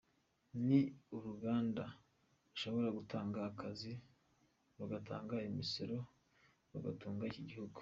Ni uruganda rushobora gutanga akazi, rugatanga imisoro, rugatunga iki gihugu.